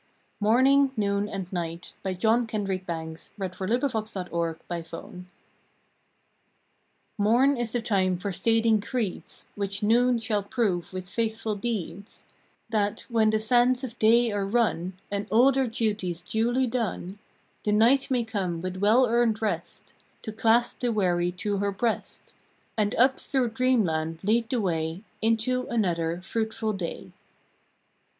do my stint with all my main and might. November Seventh MORNING, NOON, AND NIGHT TV/TORN is the time for stating creeds Which Noon shall prove with faithful deeds, That, when the sands of day are run And all their duties duly done, The Night may come with well earned rest To clasp the weary to her breast, And up through Dreamland lead the way Into another fruitful day.